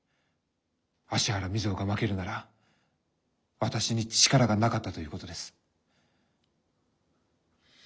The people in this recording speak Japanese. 芦原瑞穂が負けるなら私に力がなかったということです。